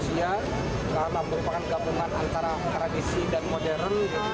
jadi bisa menggambarkan kehidupan manusia merupakan gabungan antara tradisi dan modern